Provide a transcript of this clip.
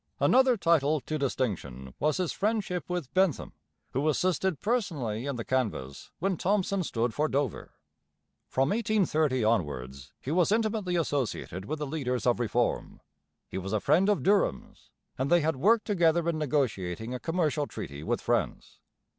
Another title to distinction was his friendship with Bentham, who assisted personally in the canvass when Thomson stood for Dover. From 1830 onwards he was intimately associated with the leaders of reform. He was a friend of Durham's, and they had worked together in negotiating a commercial treaty with France.